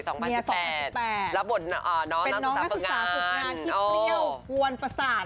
สองพันสิบแปดรับบทน้องนักศึกษาฝึกงานโอ้โหแม่๒๘เป็นน้องนักศึกษาฝึกงานที่เตรียวกวนประสาท